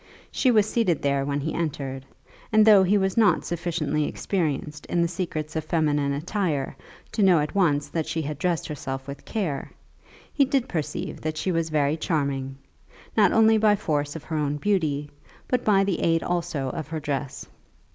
She was seated there when he entered; and though he was not sufficiently experienced in the secrets of feminine attire to know at once that she had dressed herself with care, he did perceive that she was very charming, not only by force of her own beauty, but by the aid also of her dress.